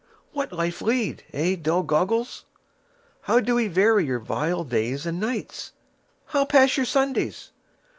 What life lead? eh, dull goggles? How do ye vary your vile days and nights? How pass your Sundays?